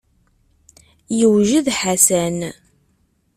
Yewjed Ḥasan.